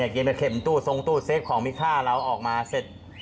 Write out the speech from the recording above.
อ้าวนี่กินไปเข็มตู้ทรงตู้เซฟของมีข้าวเราออกมาเสร็จ